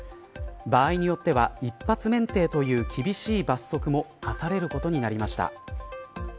場合によっては一発免停という厳しい罰則も科されることになりました。